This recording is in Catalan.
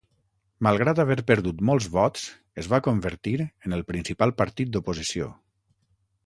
Malgrat haver perdut molts vots, es va convertir en el principal partit d'oposició.